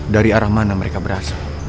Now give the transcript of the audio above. dari arah mana mereka berasal